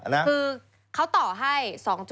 คือเขาต่อให้๒๐